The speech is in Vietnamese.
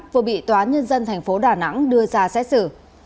vừa bị tòa nhân dân tp đà nẵng đưa ra xét xử